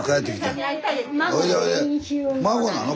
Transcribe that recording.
孫なの？